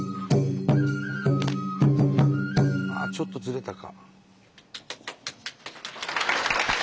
ちょっとずれたか？